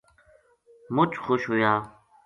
مچ خوش ہویا